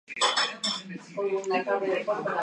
Es una especialidad muy cara y se consume acompañada de sake.